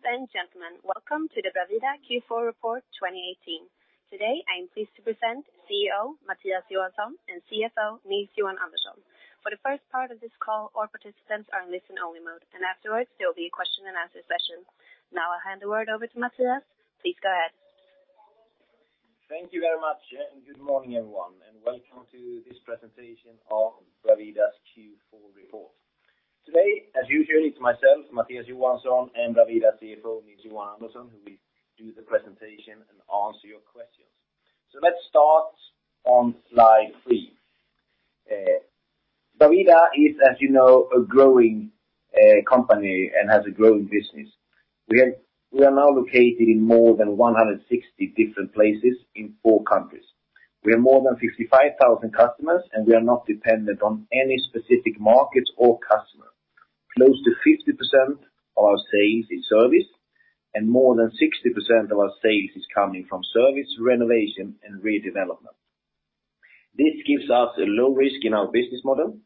Ladies and gentlemen, welcome to the Bravida Q4 Report 2018. Today, I am pleased to present CEO, Mattias Johansson, and CFO, Nils-Johan Andersson. For the first part of this call, all participants are in listen-only mode, and afterwards, there will be a question and answer session. Now, I'll hand the word over to Mattias. Please go ahead. Thank you very much, good morning, everyone, and welcome to this presentation of Bravida's Q4 Report. Today, as usual, it's myself, Mattias Johansson, and Bravida CFO, Nils-Johan Andersson, who will do the presentation and answer your questions. Let's start on slide 3. Bravida is, as you know, a growing company and has a growing business. We are now located in more than 160 different places in four countries. We have more than 55,000 customers, we are not dependent on any specific markets or customer. Close to 50% of our sales is service, more than 60% of our sales is coming from service, renovation, and redevelopment. This gives us a low risk in our business model.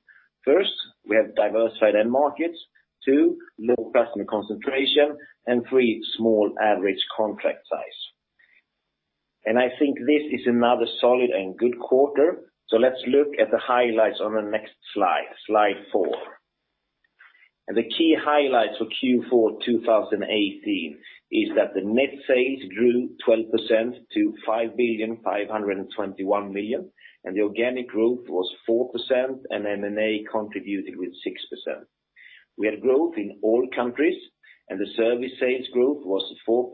First, we have diversified end markets, 2, low customer concentration, 3, small average contract size. I think this is another solid and good quarter, so let's look at the highlights on the next slide 4. The key highlights for Q4 2018 is that the net sales grew 12% to 5,521 billion, and the organic growth was 4%, and M&A contributed with 6%. We had growth in all countries, and the service sales growth was 4%,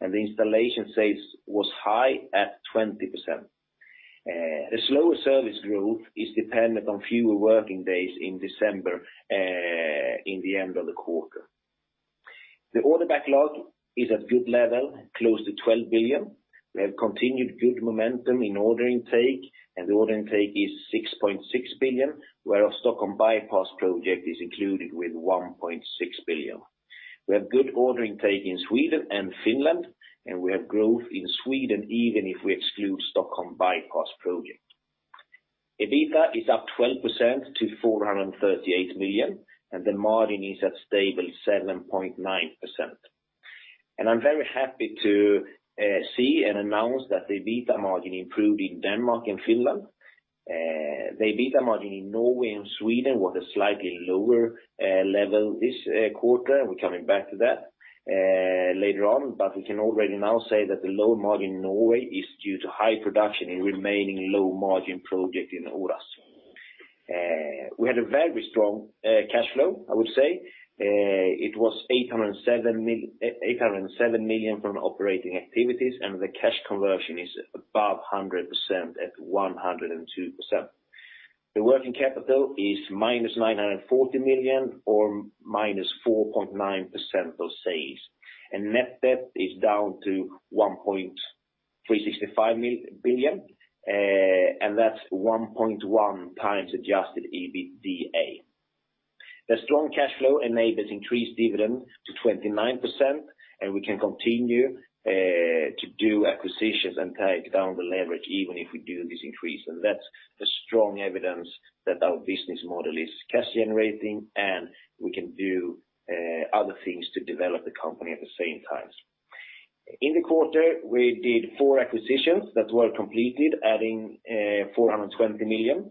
and the installation sales was high at 20%. The slower service growth is dependent on fewer working days in December, in the end of the quarter. The order backlog is at good level, close to 12 billion. We have continued good momentum in order intake, and the order intake is 6.6 billion, where our Stockholm Bypass project is included with 1.6 billion. We have good order intake in Sweden and Finland. We have growth in Sweden, even if we exclude Stockholm Bypass project. EBITDA is up 12% to 438 million, and the margin is at stable 7.9%. I'm very happy to see and announce that the EBITDA margin improved in Denmark and Finland. The EBITDA margin in Norway and Sweden was a slightly lower level this quarter. We're coming back to that later on. We can already now say that the lower margin in Norway is due to high production in remaining low-margin project in Oras AS. We had a very strong cash flow, I would say. It was 807 million from operating activities, the cash conversion is above 100% at 102%. The working capital is minus 940 million or minus 4.9% of sales, net debt is down to 1.365 billion, that's 1.1x adjusted EBITDA. The strong cash flow enables increased dividend to 29%, we can continue to do acquisitions and take down the leverage even if we do this increase. That's the strong evidence that our business model is cash generating, we can do other things to develop the company at the same time. In the quarter, we did four acquisitions that were completed, adding 420 million.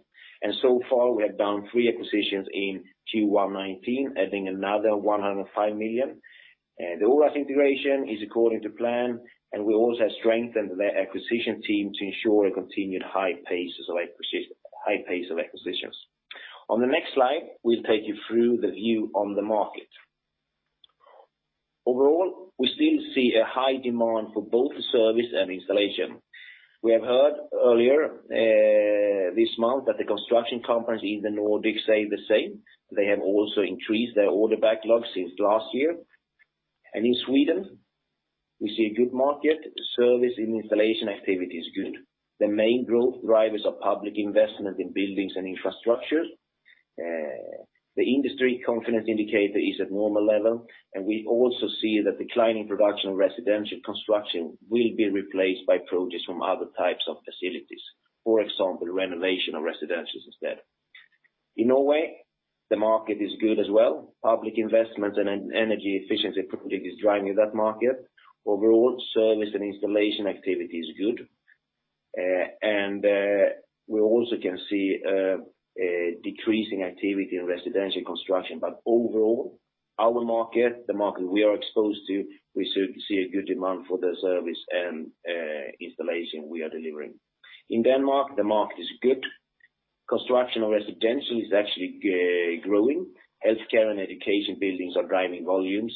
So far, we have done three acquisitions in Q1 2019, adding another 105 million. The Oras AS integration is according to plan, and we also have strengthened the acquisition team to ensure a continued high pace of acquisitions. On the next slide, we'll take you through the view on the market. Overall, we still see a high demand for both the service and installation. We have heard earlier this month that the construction companies in the Nordics say the same. They have also increased their order backlog since last year. In Sweden, we see a good market. Service and installation activity is good. The main growth drivers are public investment in buildings and infrastructure. The industry confidence indicator is at normal level, and we also see that declining production of residential construction will be replaced by projects from other types of facilities, for example, renovation of residentials instead. In Norway, the market is good as well. Public investment and energy efficiency project is driving that market. Overall, service and installation activity is good, and we also can see a decrease in activity in residential construction. Overall, our market, the market we are exposed to, we see a good demand for the service and installation we are delivering. In Denmark, the market is good. Construction of residential is actually growing. Healthcare and education buildings are driving volumes,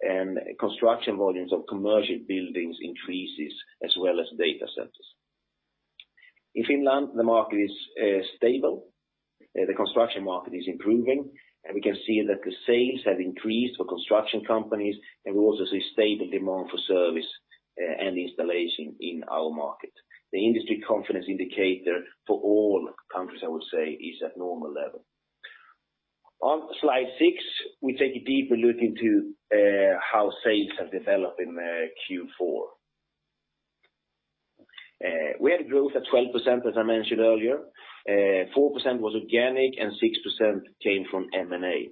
and construction volumes of commercial buildings increases as well as data centers. In Finland, the market is stable. The construction market is improving. We can see that the sales have increased for construction companies, and we also see stable demand for service and installation in our market. The industry confidence indicator for all countries, I would say, is at normal level. On slide 6, we take a deeper look into how sales have developed in the Q4. We had growth at 12%, as I mentioned earlier. 4% was organic and 6% came from M&A.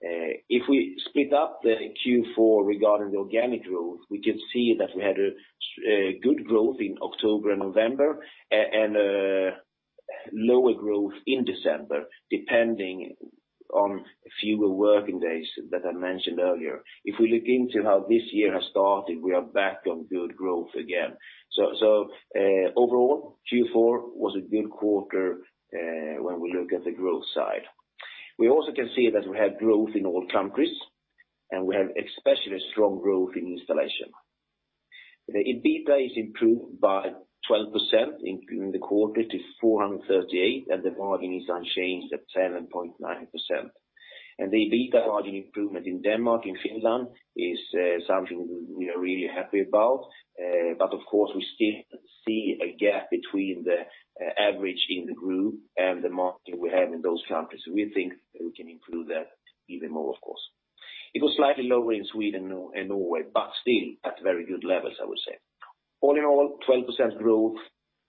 If we split up the Q4 regarding the organic growth, we can see that we had a good growth in October and November, and a lower growth in December, depending on fewer working days that I mentioned earlier. If we look into how this year has started, we are back on good growth again. Overall, Q4 was a good quarter when we look at the growth side. We also can see that we have growth in all countries, and we have especially strong growth in installation. The EBITDA is improved by 12% in the quarter to 438 million, and the margin is unchanged at 7.9%. The EBITDA margin improvement in Denmark and Finland is something we are really happy about. Of course, we still see a gap between the average in the group and the market we have in those countries. We think we can improve that even more, of course. It was slightly lower in Sweden and Norway, but still at very good levels, I would say. All in all, 12% growth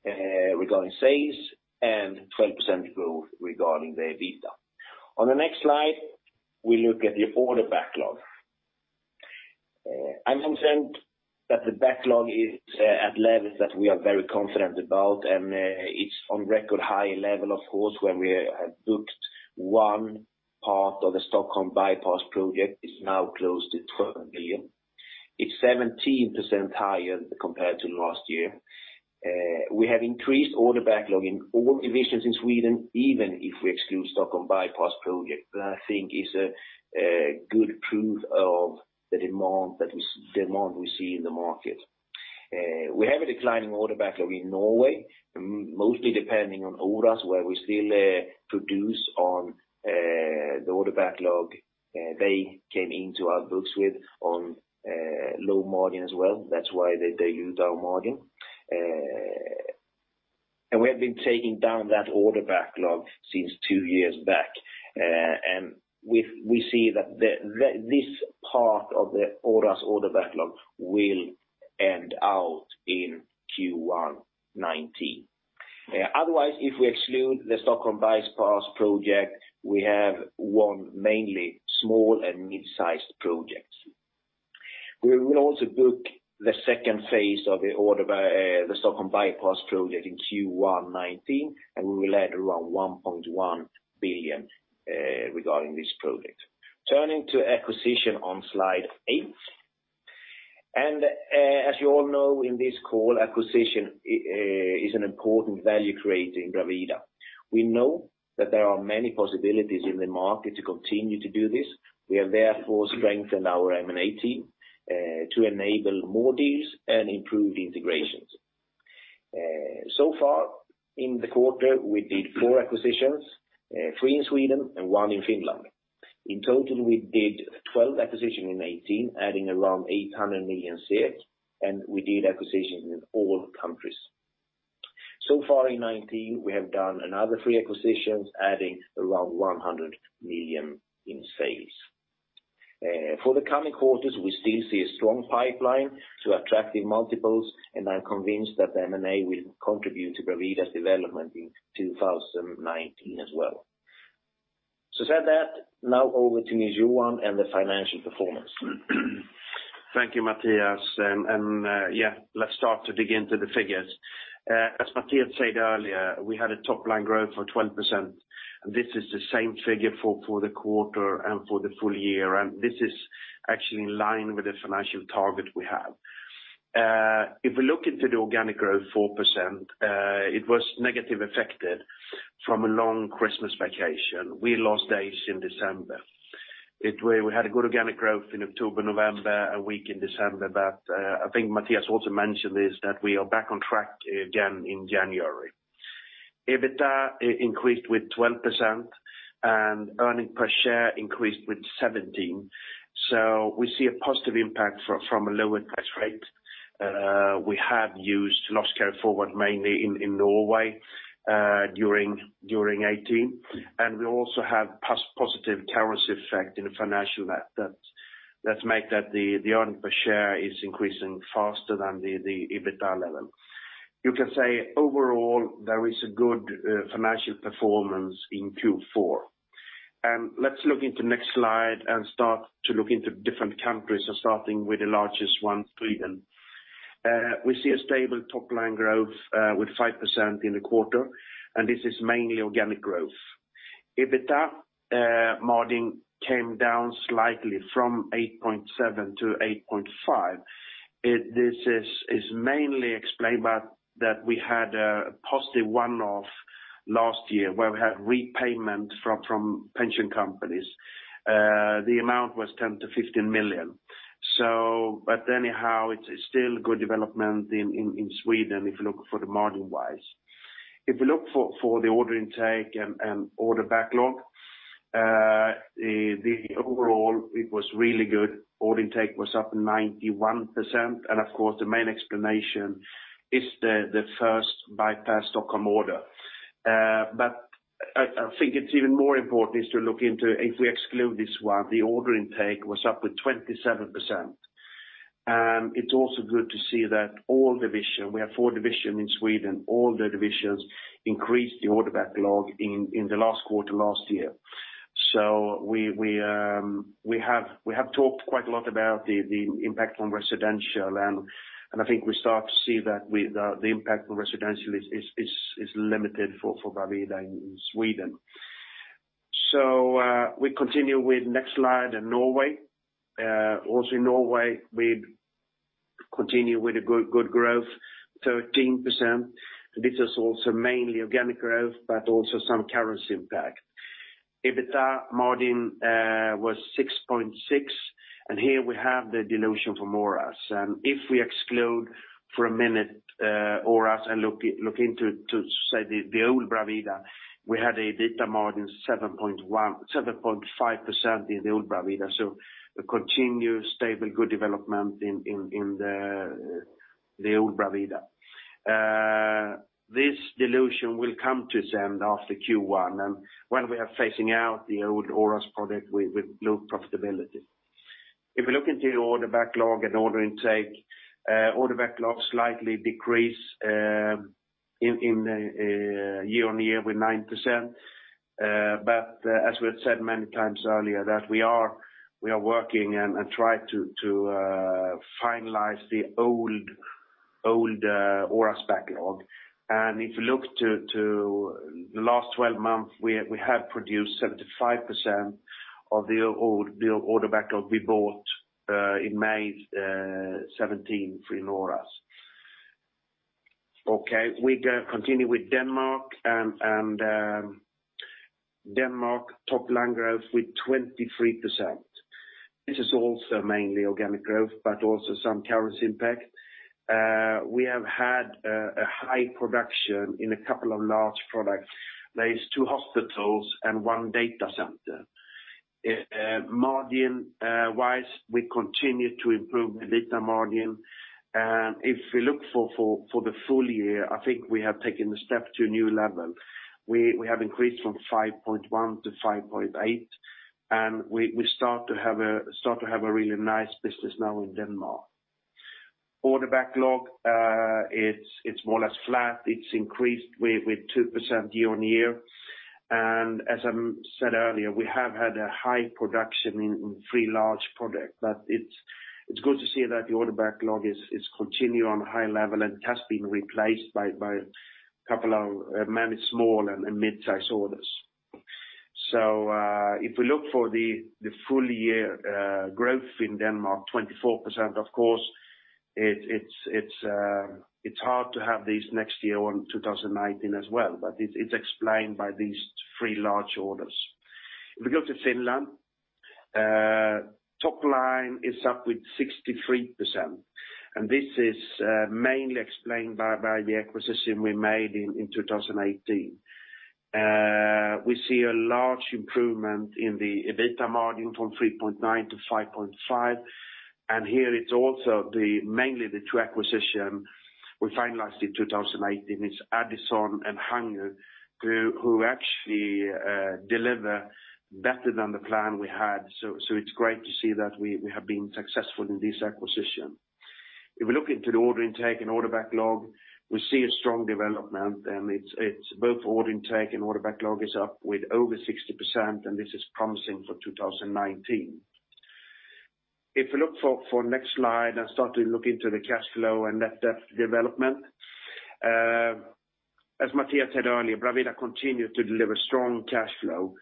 regarding sales and 12% growth regarding the EBITDA. On the next slide, we look at the order backlog. I mentioned that the backlog is at levels that we are very confident about, and it's on record high level, of course, when we have booked one part of the Stockholm Bypass project, is now close to 12 billion. It's 17% higher compared to last year. We have increased order backlog in all divisions in Sweden, even if we exclude Stockholm Bypass project, that I think is a good proof of the demand that demand we see in the market. We have a declining order backlog in Norway, mostly depending on Oras AS, where we still produce on the order backlog they came into our books with, on low margin as well. That's why they use our margin. We have been taking down that order backlog since two years back. We see that this part of the Oras AS order backlog will end out in Q1 2019. Otherwise, if we exclude the Stockholm Bypass project, we have won mainly small and mid-sized projects. We will also book the second phase of the order by the Stockholm Bypass project in Q1 2019, and we will add around 1.1 billion regarding this project. Turning to acquisition on slide 8, as you all know, in this call, acquisition is an important value created in Bravida. We know that there are many possibilities in the market to continue to do this. We have therefore strengthened our M&A team to enable more deals and improve the integrations. So far in the quarter, we did four acquisitions, three in Sweden and one in Finland. In total, we did 12 acquisitions in 2018, adding around 800 million sales, and we did acquisitions in all countries. So far in 2019, we have done another three acquisitions, adding around 100 million in sales. For the coming quarters, we still see a strong pipeline to attractive multiples, and I'm convinced that the M&A will contribute to Bravida's development in 2019 as well. Said that, now over to Nils-Johan and the financial performance. Thank you, Mattias. Yeah, let's start to dig into the figures. As Mattias said earlier, we had a top-line growth for 12%. This is the same figure for the quarter and for the full year, this is actually in line with the financial target we have. If we look into the organic growth, 4%, it was negative affected from a long Christmas vacation. We lost days in December. We had a good organic growth in October, November, a week in December, I think Mattias also mentioned this, that we are back on track again in January. EBITDA increased with 12% and earnings per share increased with 17%, we see a positive impact from a lower tax rate. We have used loss carryforward mainly in Norway during 2018. We also have positive currency effect in the financial that make that the earnings per share is increasing faster than the EBITDA level. You can say, overall, there is a good financial performance in Q4. Let's look into next slide and start to look into different countries, and starting with the largest one, Sweden. We see a stable top-line growth with 5% in the quarter, and this is mainly organic growth. EBITDA margin came down slightly from 8.7% to 8.5%. This is mainly explained by that we had a positive one-off last year, where we had repayment from pension companies. The amount was 10 million to 15 million. But anyhow, it's still good development in Sweden, if you look for the margin-wise. If you look for the order intake and order backlog, the overall, it was really good. Order intake was up 91%, and of course, the main explanation is the first bypass Stockholm order. But I think it's even more important is to look into, if we exclude this one, the order intake was up with 27%. It's also good to see that all division, we have four division in Sweden, all the divisions increased the order backlog in the last quarter last year. We have talked quite a lot about the impact on residential, and I think we start to see that with the impact on residential is limited for Bravida in Sweden. We continue with next slide in Norway. Also in Norway, we continue with a good growth, 13%. This is also mainly organic growth, but also some currency impact. EBITDA margin was 6.6%, and here we have the dilution for Oras AS. If we exclude for a minute, Oras AS, and look into to, say, the old Bravida, we had a EBITDA margin 7.1% to 7.5% in the old Bravida. A continuous, stable, good development in the old Bravida. This dilution will come to send after Q1, and when we are phasing out the old Oras AS product with low profitability. If you look into the order backlog and order intake, order backlog slightly decrease in year-on-year with 9%. But as we had said many times earlier, that we are working and try to finalize the old Oras AS backlog. If you look to the last 12 months, we have produced 75% of the old order backlog we bought in May 2017 for Oras AS. Okay, we continue with Denmark, and Denmark, top line growth with 23%. This is also mainly organic growth, but also some currency impact. We have had a high production in a couple of large products. There is two hospitals and one data center. Margin wise, we continue to improve the EBITDA margin. If we look for the full year, I think we have taken the step to a new level. We have increased from 5.1% to 5.8%, and we start to have a really nice business now in Denmark. Order backlog, it's more or less flat. It's increased with 2% year-on-year. As I said earlier, we have had a high production in three large product, but it's good to see that the order backlog is continue on a high level, and it has been replaced by a couple of many small and mid-sized orders. If we look for the full year growth in Denmark, 24%, of course, it's hard to have these next year on 2019 as well, but it's explained by these three large orders. If we go to Finland, top line is up with 63%. This is mainly explained by the acquisition we made in 2018. We see a large improvement in the EBITDA margin from 3.9% to 5.5%. Here it's also mainly the two acquisition we finalized in 2018, it's Adison and Hangö, who actually deliver better than the plan we had. It's great to see that we have been successful in this acquisition. If we look into the order intake and order backlog, we see a strong development. It's both order intake and order backlog is up with over 60%. This is promising for 2019. If we look for next slide and start to look into the cash flow and net debt development, as Mattias said earlier, Bravida continue to deliver strong cash flow.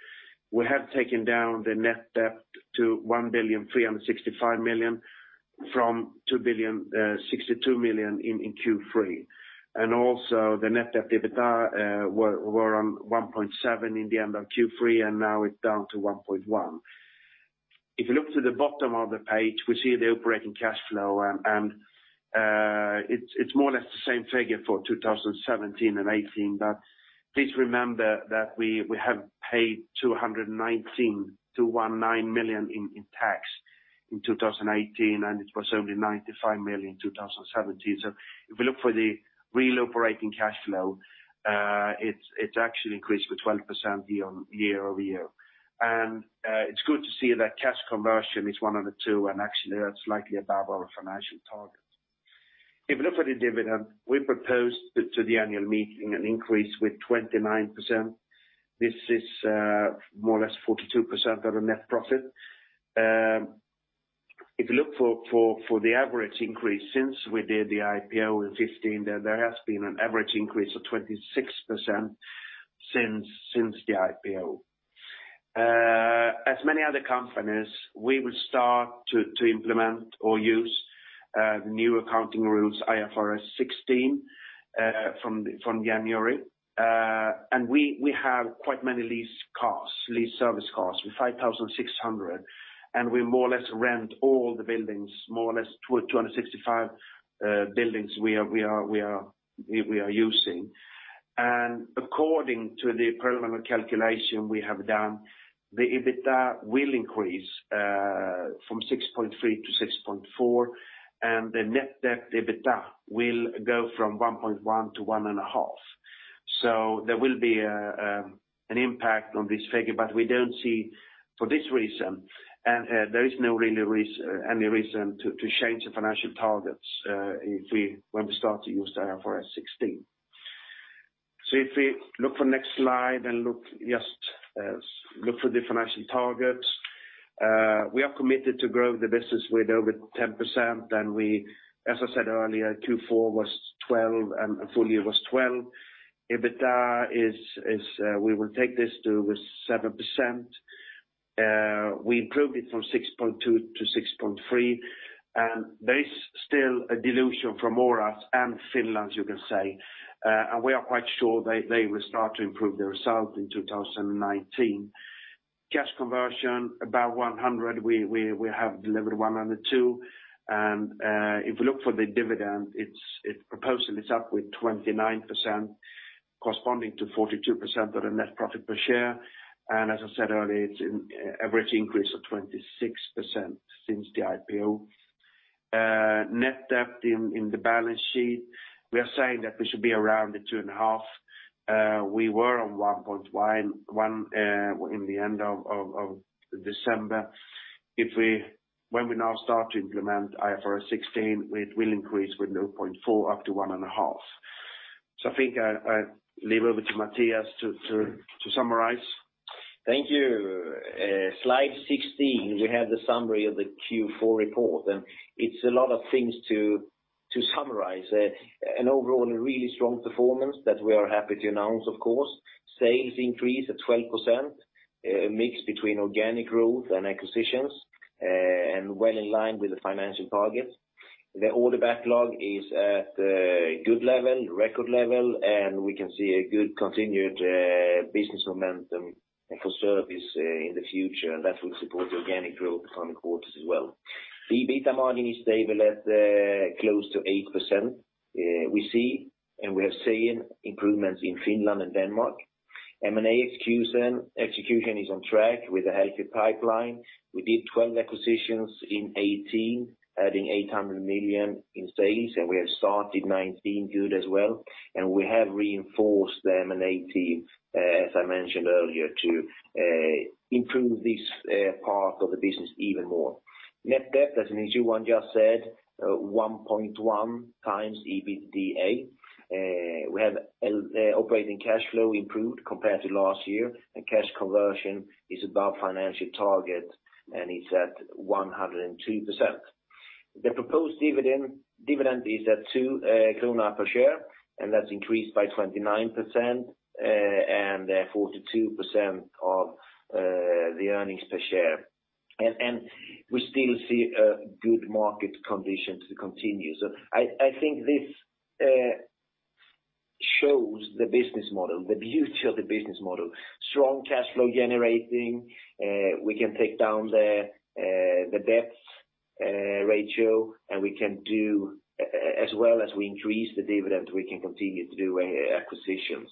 We have taken down the net debt to 1,365 billion, from 2,062 billion in Q3. Also, the net debt EBITDA were on 1.7% in the end of Q3, and now it's down to 1.1%. If you look to the bottom of the page, we see the operating cash flow, and it's more or less the same figure for 2017 and 2018. Please remember that we have paid 219 million in tax in 2018, and it was only 95 million in 2017. If we look for the real operating cash flow, it's actually increased with 12% year on year-over-year. It's good to see that cash conversion is one of the two, and actually that's slightly above our financial target. If you look for the dividend, we proposed to the annual meeting an increase with 29%. This is more or less 42% of the net profit. If you look for the average increase since we did the IPO in 2015, there has been an average increase of 26% since the IPO. As many other companies, we will start to implement or use new accounting rules, IFRS 16, from January. We have quite many lease cars, lease service cars, with 5,600, and we more or less rent all the buildings, more or less 265 buildings we are using. According to the preliminary calculation we have done, the EBITDA will increase from 6.3% to 6.4%, and the net debt EBITDA will go from 1.1% to 1.5%. There will be an impact on this figure, but we don't see for this reason, there is no really reason, any reason to change the financial targets when we start to use the IFRS 16. If we look for next slide and look, just look for the financial targets, we are committed to grow the business with over 10%, and as I said earlier, Q4 was 12%, and full year was 12%. EBITDA we will take this to 7%. We improved it from 6.2% to 6.3%, and there is still a dilution from Oras AS and Finland, you can say, and we are quite sure they will start to improve the result in 2019. Cash conversion, about 100, we have delivered 102, and if you look for the dividend, its proposal is up with 29%, corresponding to 42% of the net profit per share. As I said earlier, it's an average increase of 26% since the IPO. Net debt in the balance sheet, we are saying that we should be around 2.5 billion. We were on 1.1 billion in the end of December. When we now start to implement IFRS 16, it will increase with 0.4 million up to 1.5 million. I think I leave over to Mattias to summarize. Thank you. Slide 16, we have the summary of the Q4 report. It's a lot of things to summarize. An overall, a really strong performance that we are happy to announce, of course. Sales increase at 12%, mix between organic growth and acquisitions, well in line with the financial target. The order backlog is at a good level, record level. We can see a good continued business momentum and for service in the future, that will support the organic growth on the quarters as well. The EBITDA margin is stable at close to 8%. We see, and we have seen improvements in Finland and Denmark. M&A execution is on track with a healthy pipeline. We did 12 acquisitions in 2018, adding 800 million in sales. We have started 2019 good as well, and we have reinforced the M&A team, as I mentioned earlier, to improve this part of the business even more. Net debt, as Nils-Johan just said, 1.1x EBITDA. We have operating cash flow improved compared to last year, and cash conversion is above financial target and is at 102%. The proposed dividend is at 2.00 krona per share, and that's increased by 29%, and therefore, to 2% of the earnings per share. We still see a good market condition to continue. I think this shows the business model, the beauty of the business model. Strong cash flow generating, we can take down the debt ratio, as well as we increase the dividend, we can continue to do acquisitions.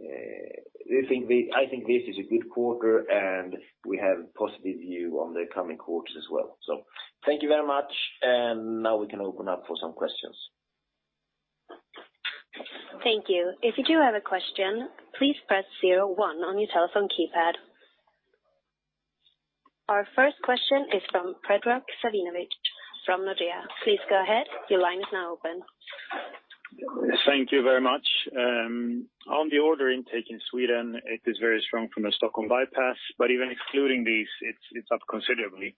I think this is a good quarter, and we have positive view on the coming quarters as well. Thank you very much, and now we can open up for some questions. Thank you. If you do have a question, please press zero one on your telephone keypad. Our first question is from Predrag Savinovic, from Nordea. Please go ahead, your line is now open. Thank you very much. On the order intake in Sweden, it is very strong from a Stockholm bypass. Even excluding these, it's up considerably,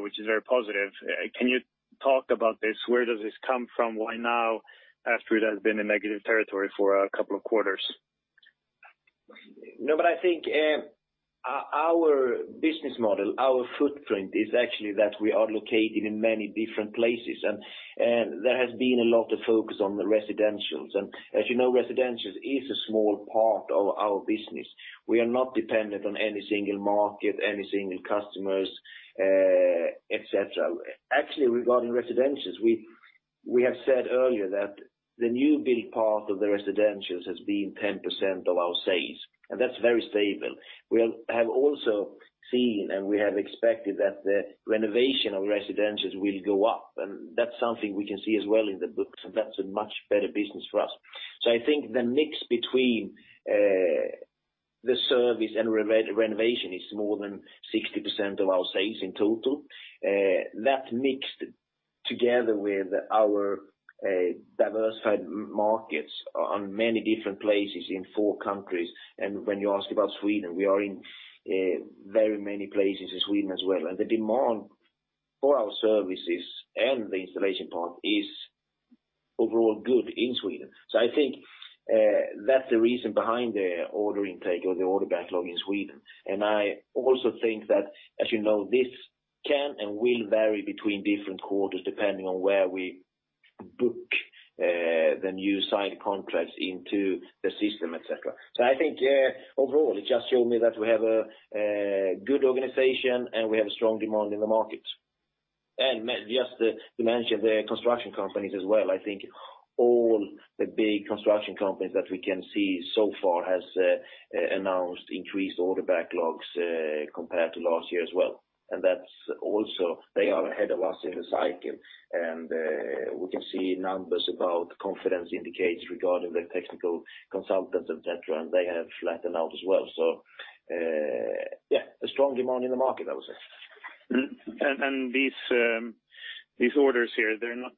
which is very positive. Can you talk about this? Where does this come from? Why now, after it has been in negative territory for a couple of quarters? I think our business model, our footprint, is actually that we are located in many different places, and there has been a lot of focus on the residentials. As you know, residentials is a small part of our business. We are not dependent on any single market, any single customers, et cetera. Actually, regarding residentials, we have said earlier that the new build part of the residentials has been 10% of our sales, and that's very stable. We have also seen, and we have expected that the renovation of residentials will go up, and that's something we can see as well in the books, and that's a much better business for us. I think the mix between the service and renovation is more than 60% of our sales in total. That mixed together with our diversified markets on many different places in four countries. When you ask about Sweden, we are in very many places in Sweden as well. The demand for our services and the installation part is overall good in Sweden. I think that's the reason behind the order intake or the order backlog in Sweden. I also think that, as you know, this can and will vary between different quarters, depending on where we book the new signed contracts into the system, et cetera. I think overall, it just showed me that we have a good organization, and we have a strong demand in the market. Just to mention the construction companies as well, I think all the big construction companies that we can see so far has announced increased order backlogs compared to last year as well. That's also, they are ahead of us in the cycle, and we can see numbers about confidence indicators regarding the technical consultants, et cetera, and they have flattened out as well. Yeah, a strong demand in the market, I would say. These orders here, they're not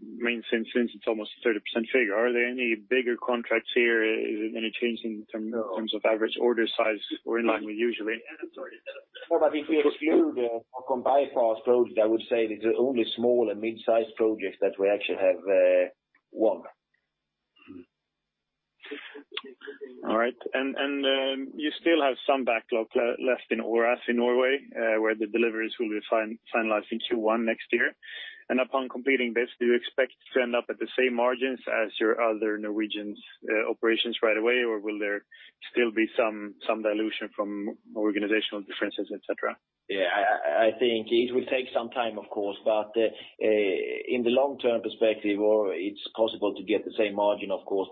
main since it's almost a 30% figure. Are there any bigger contracts here, any change in terms of average order size or in line with usually? No, if you exclude or combine fast projects, I would say it is only small and mid-sized projects that we actually have won. All right. You still have some backlog left in Oras AS in Norway, where the deliveries will be finalized in Q1 next year. Upon completing this, do you expect to end up at the same margins as your other Norwegian operations right away? Will there still be some dilution from organizational differences, et cetera? I think it will take some time, of course, but in the long-term perspective, or it's possible to get the same margin, of course.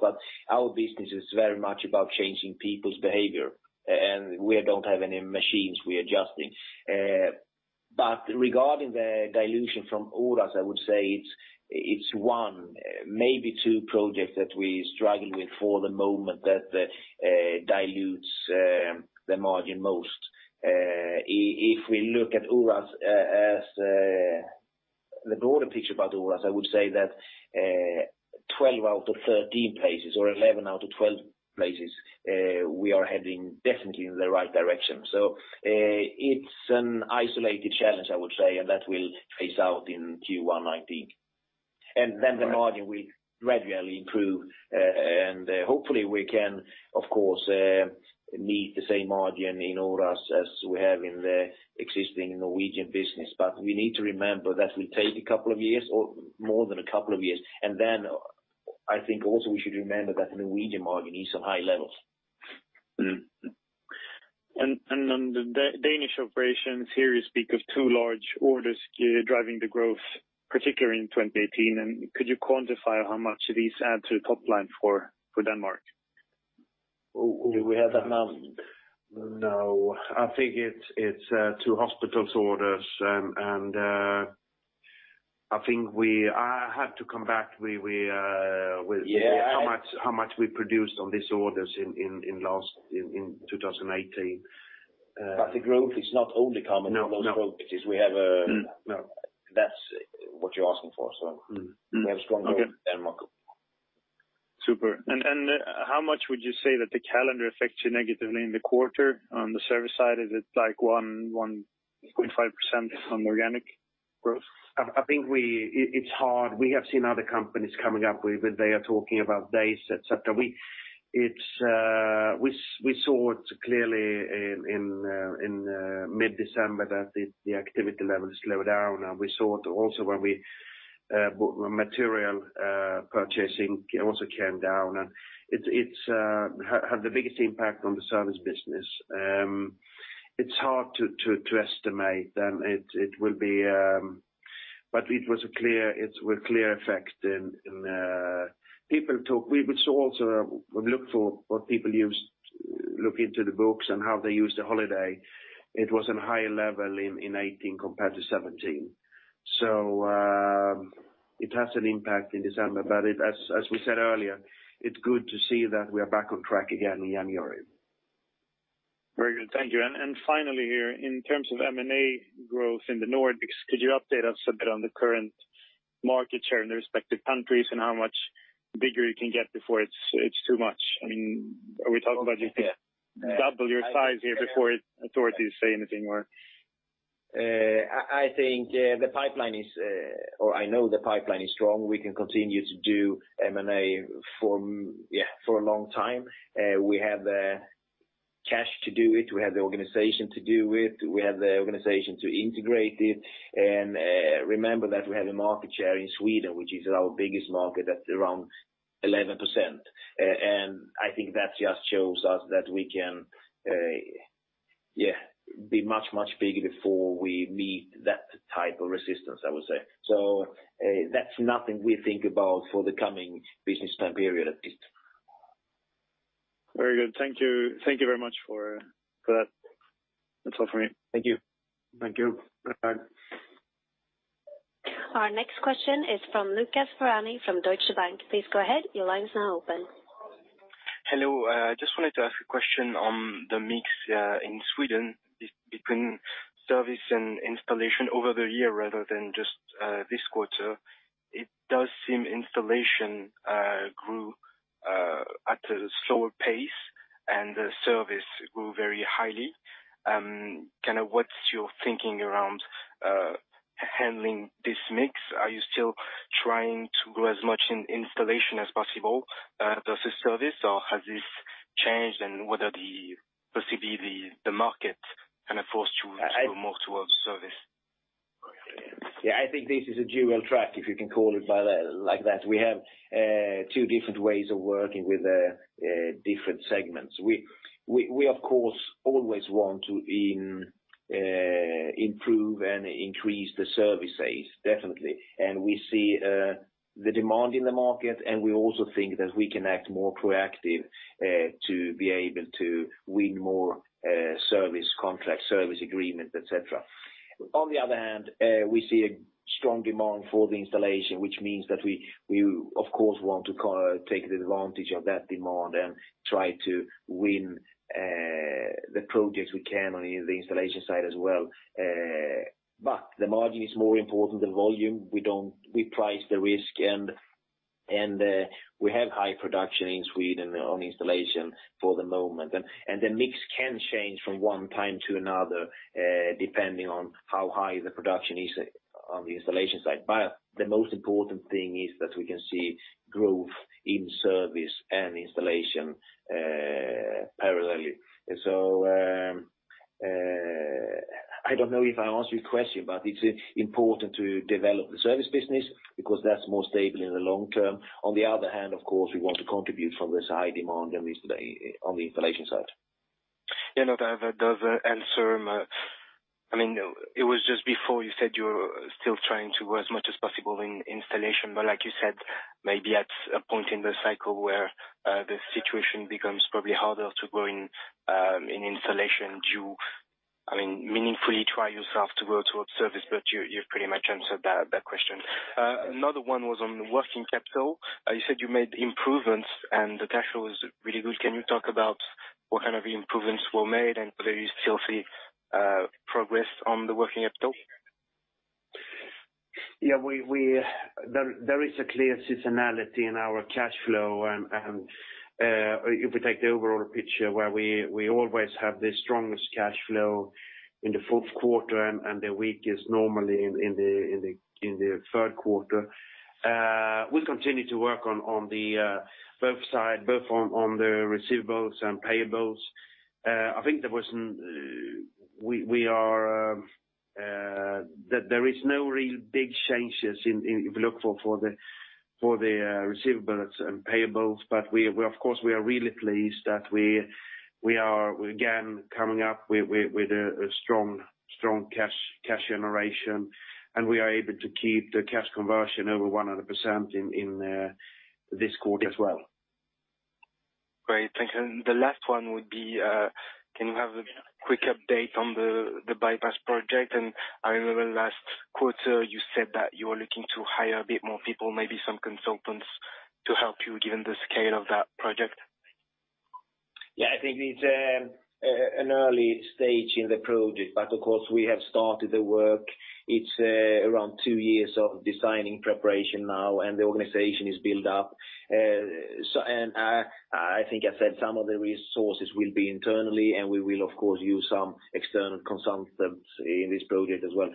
Our business is very much about changing people's behavior, and we don't have any machines we are adjusting. Regarding the dilution from Oras AS, I would say it's one, maybe two projects that we're struggling with for the moment that dilutes the margin most. If we look at Oras AS as the broader picture about Oras AS, I would say that 12 out of 13 places, or 11 out of 12 places, we are heading definitely in the right direction. It's an isolated challenge, I would say, and that will phase out in Q1 2019. Right. The margin will gradually improve, and hopefully we can, of course, meet the same margin in Oras as we have in the existing Norwegian business. We need to remember that will take a couple of years or more than a couple of years. I think also we should remember that the Norwegian margin is on high levels. Mm-hmm. On the Danish operations, here you speak of 2 large orders driving the growth, particularly in 2018, and could you quantify how much these add to the top line for Denmark? Do we have that number? No. I think it's 2 hospitals orders, and I think I have to come back. Yeah. how much we produced on these orders in last in 2018. The growth is not only coming from... No, no. Because we have. No. That's what you're asking for, so. Mm-hmm. We have strong growth in Denmark. Super. How much would you say that the calendar affects you negatively in the quarter on the service side? Is it like 1.5% on organic growth? I think we. It's hard. We have seen other companies coming up with they are talking about days, et cetera. We saw it clearly in mid-December that the activity levels slowed down, we saw it also when we material purchasing also came down. It's had the biggest impact on the service business. It's hard to estimate, and it will be. It was a clear, it with clear effect in we would saw also, we look for what people use, look into the books and how they use the holiday. It was on a higher level in 2018 compared to 2017. It has an impact in December, but it, as we said earlier, it's good to see that we are back on track again in January. Very good. Thank you. Finally here, in terms of M&A growth in the Nordics, could you update us a bit on the current market share in the respective countries and how much bigger you can get before it's too much? I mean, are we talking about double your size here before authorities say anything more? I think the pipeline is or I know the pipeline is strong. We can continue to do M&A for a long time. We have the cash to do it, we have the organization to do it, we have the organization to integrate it. Remember that we have a market share in Sweden, which is our biggest market, at around 11%. I think that just shows us that we can be much, much bigger before we meet that type of resistance, I would say. That's nothing we think about for the coming business time period, at least. Very good. Thank you. Thank you very much for that. That's all for me. Thank you. Thank you. Bye-bye. Our next question is from Lucas Ferhani, from Deutsche Bank. Please go ahead. Your line is now open. Hello. I just wanted to ask a question on the mix in Sweden between service and installation over the year rather than just this quarter. It does seem installation grew at a slower pace and the service grew very highly. Kind of what's your thinking around handling this mix? Are you still trying to grow as much in installation as possible versus service, or has this changed? Whether the, possibly the market kind of forced you to go more towards service? Yeah, I think this is a dual track, if you can call it by that, like that. We have two different ways of working with the different segments. We, of course, always want to improve and increase the services, definitely. We see, the demand in the market, and we also think that we can act more proactive, to be able to win more, service contracts, service agreements, et cetera. On the other hand, we see a strong demand for the installation, which means that we of course, want to kind of take the advantage of that demand and try to win, the projects we can on the installation side as well. The margin is more important than volume. We price the risk, and we have high production in Sweden on installation for the moment. The mix can change from one time to another, depending on how high the production is on the installation side. The most important thing is that we can see growth in service and installation, parallelly. I don't know if I answered your question, but it's important to develop the service business because that's more stable in the long term. On the other hand, of course, we want to contribute from this high demand, and on the installation side. Yeah, no, that does answer. I mean, it was just before you said you're still trying to grow as much as possible in installation, but like you said, maybe at a point in the cycle where the situation becomes probably harder to grow in installation. Do you, I mean, meaningfully try yourself to go towards service, you've pretty much answered that question. Another one was on working capital. You said you made improvements, the cash flow is really good. Can you talk about what kind of improvements were made and whether you still see progress on the working capital? Yeah, we, there is a clear seasonality in our cash flow. If we take the overall picture where we always have the strongest cash flow in the fourth quarter and the weakest normally in the third quarter. We continue to work on the both side, both on the receivables and payables. I think there was We are that there is no real big changes in if you look for the receivables and payables, we of course, we are really pleased that we are again, coming up with a strong cash generation, and we are able to keep the cash conversion over 100% in this quarter as well. Great, thank you. The last one would be, can you have a quick update on the bypass project? I remember last quarter, you said that you were looking to hire a bit more people, maybe some consultants to help you, given the scale of that project. Yeah, I think it's an early stage in the project. Of course, we have started the work. It's around two years of designing preparation now, and the organization is built up. I think I said some of the resources will be internally, and we will of course use some external consultants in this project as well.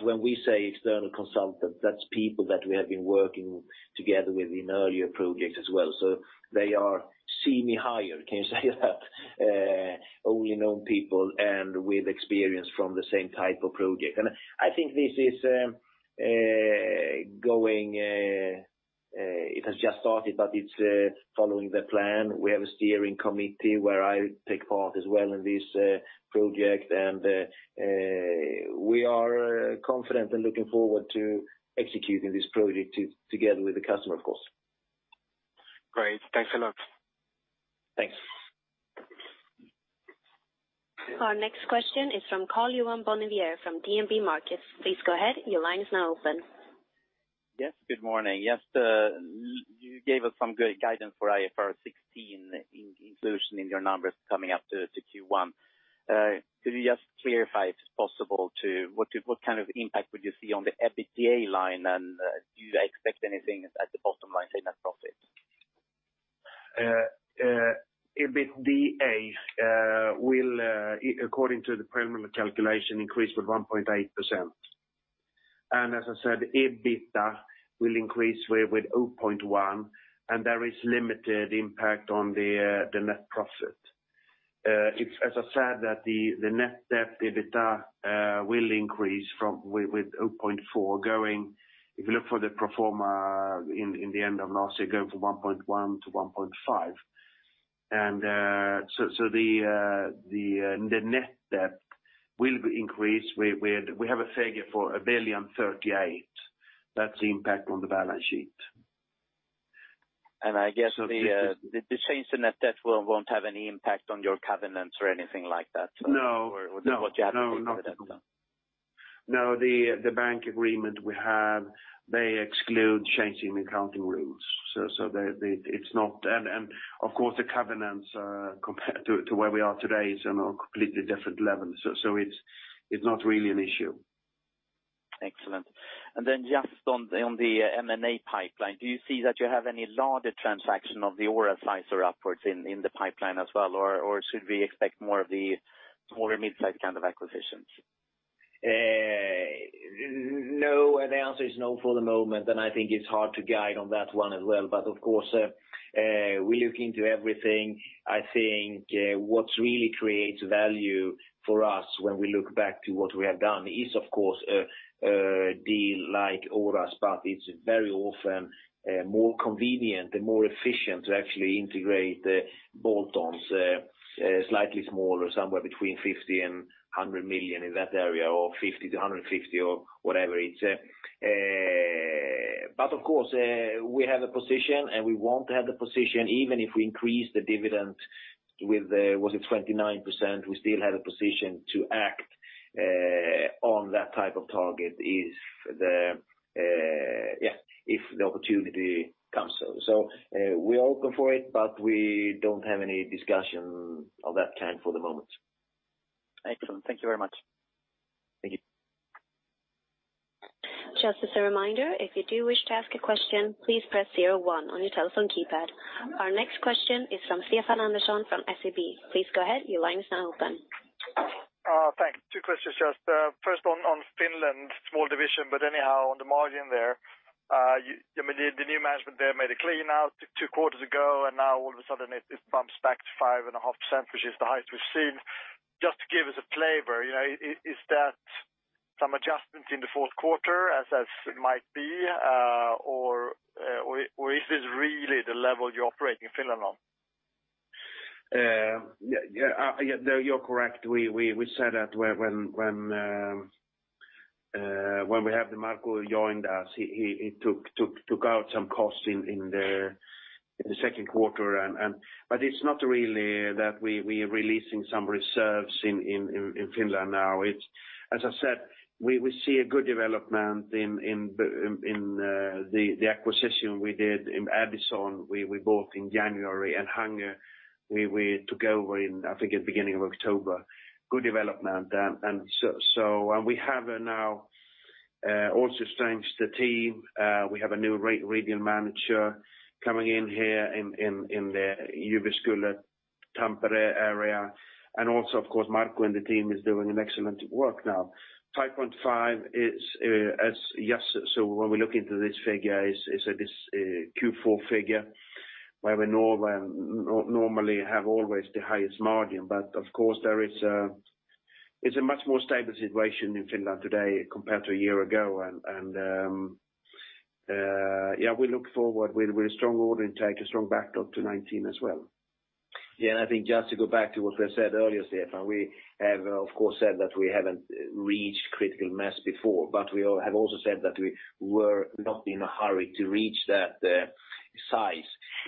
When we say external consultants, that's people that we have been working together with in earlier projects as well. They are semi-hired, can you say that? Only known people and with experience from the same type of project. I think this is going, it has just started, but it's following the plan. We have a steering committee where I take part as well in this project, and we are confident and looking forward to executing this project together with the customer, of course. Great. Thanks a lot. Thanks. Our next question is from Karl-Johan Bonnevier from DNB Markets. Please go ahead. Your line is now open. Yes, good morning. You gave us some good guidance for IFRS 16 inclusion in your numbers coming up to Q1. Could you just clarify, if possible, to what kind of impact would you see on the EBITDA line, and do you expect anything at the bottom line in that profit? EBITDA will, according to the preliminary calculation, increase with 1.8%. As I said, EBITDA will increase with 0.1%, and there is limited impact on the net profit. It's as I said, that the net debt EBITDA will increase from with 0.4% going, if you look for the pro forma in the end of last year, going from 1.1% to 1.5%. So the net debt will increase with we have a figure for 1.038 billion. That's the impact on the balance sheet. I guess the change in net debt won't have any impact on your covenants or anything like that? No, no, not at all. What you have with them. No, the bank agreement we have, they exclude changing accounting rules. It's not. Of course, the covenants compared to where we are today is on a completely different level. It's not really an issue. Excellent. Then just on the M&A pipeline, do you see that you have any larger transaction of the Oras AS size or upwards in the pipeline as well? Or should we expect more of the smaller mid-size kind of acquisitions? No. The answer is no for the moment, I think it's hard to guide on that one as well. Of course, we look into everything. I think what really creates value for us when we look back to what we have done is of course, a deal like Oras AS, it's very often, more convenient and more efficient to actually integrate the bolt-ons, slightly smaller, somewhere between 50 million and 100 million in that area, or 50 million to 150 million or whatever. It's Of course, we have a position, and we want to have the position, even if we increase the dividend with, was it 29%? We still have a position to act on that type of target, is the, yeah, if the opportunity comes. We're open for it, but we don't have any discussion of that kind for the moment. Excellent. Thank you very much. Thank you. Just as a reminder, if you do wish to ask a question, please press zero-one on your telephone keypad. Our next question is from Stefan Alexandersson from SEB. Please go ahead. Your line is now open. Thanks. Two questions, just, first on Finland, small division, but anyhow, on the margin there, I mean, the new management there made a clean out two quarters ago, and now all of a sudden, it bumps back to 5.5%, which is the highest we've seen. Just to give us a flavor, you know, is that some adjustments in the fourth quarter, as it might be, or is this really the level you operate in Finland on? Yeah, no, you're correct. We said that when Marko joined us, he took out some costs in the second quarter. But it's not really that we are releasing some reserves in Finland now. It's, as I said, we see a good development in the acquisition we did in Adison. We bought in January, and Hangon Sähkö Oy, we took over in, I think, the beginning of October. Good development. We have now also changed the team. We have a new regional manager coming in here in the Jyväskylä, Tampere area, and also, of course, Marko and the team is doing an excellent work now. Type one five is, as yes, so when we look into this figure, is that this, Q4 figure, where we normally have always the highest margin. Of course, there is, it's a much more stable situation in Finland today compared to a year ago. Yeah, we look forward with a strong order and take a strong backup to 2019 as well. Yeah, I think just to go back to what we said earlier, Stefan, we have, of course, said that we haven't reached critical mass before, but we all have also said that we were not in a hurry to reach that size.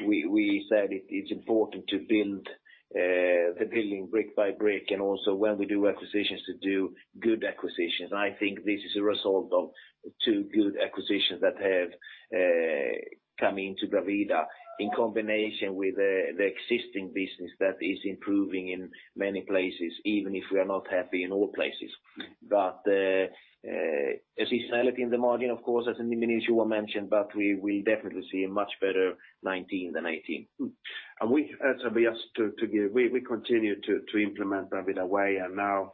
We said it's important to build the building brick by brick, and also when we do acquisitions, to do good acquisitions. I think this is a result of two good acquisitions that have come into Bravida in combination with the existing business that is improving in many places, even if we are not happy in all places. As you said, looking in the margin, of course, as in the minutes you were mentioned, we definitely see a much better 2019 than 2018. We continue to implement Bravida Way, and now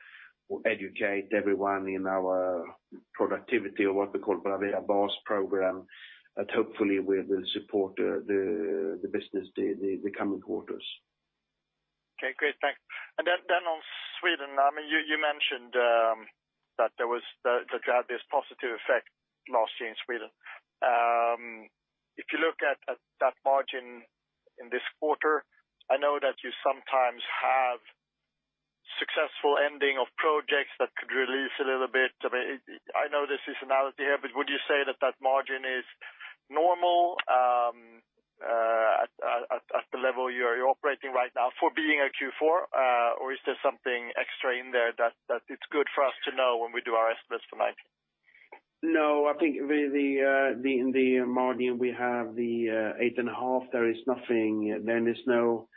educate everyone in our productivity of what we call Bravida BOSS Programme, that hopefully will support the business, the coming quarters. Okay, great. Thanks. On Sweden, I mean, you mentioned that you had this positive effect last year in Sweden. If you look at that margin in this quarter, I know that you sometimes have successful ending of projects that could release a little bit. I mean, I know there's seasonality here, would you say that that margin is normal at the level you're operating right now for being a Q4? Is there something extra in there that it's good for us to know when we do our estimates for 2019? No, I think with the, the margin, we have the 8.5%. There is nothing, there is no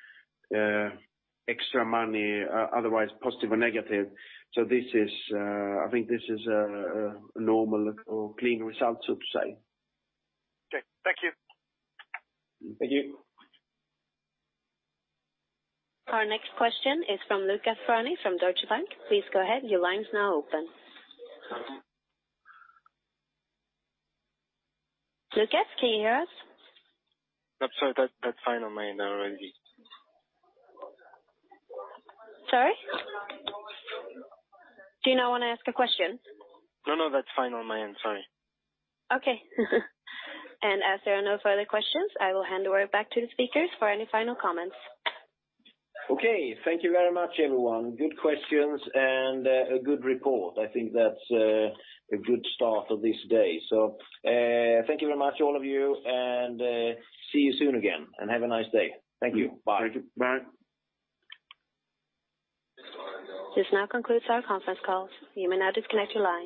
extra money, otherwise positive or negative. This is, I think this is a normal or clean result, so to say. Okay. Thank you. Thank you. Our next question is from Lucas Ferhani from Deutsche Bank. Please go ahead. Your line is now open. Lucas, can you hear us? I'm sorry, that's fine on my end already. Sorry? Do you not want to ask a question? No, no, that's fine on my end. Sorry. Okay. As there are no further questions, I will hand over back to the speakers for any final comments. Okay. Thank you very much, everyone. Good questions and, a good report. I think that's, a good start for this day. Thank you very much, all of you, and, see you soon again, and have a nice day. Thank you. Bye. Thank you. Bye. This now concludes our conference call. You may now disconnect your line.